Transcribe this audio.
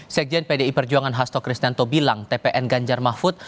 sekjen pdi perjuangan hasto krisnanto bilang tpn ganjar mahfud